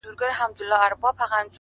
یاد د هغې راکړه!! راته شراب راکه!!